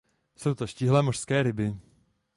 Jsou to štíhlé mořské ryby.